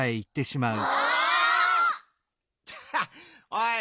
おい！